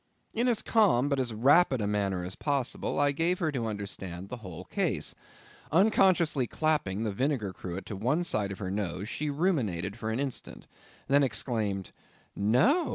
In as calm, but rapid a manner as possible, I gave her to understand the whole case. Unconsciously clapping the vinegar cruet to one side of her nose, she ruminated for an instant; then exclaimed—"No!